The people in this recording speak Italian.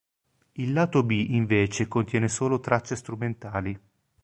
Il lato B invece contiene solo tracce strumentali.